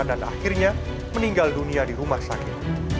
dan akhirnya meninggal dunia di rumah sakit